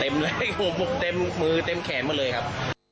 เต็มเลยมุมมือเต็มแขนหมดเลยครับ